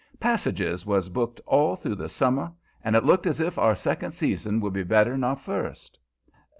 Passages was booked all through the summer and it looked as if our second season would be better'n our first.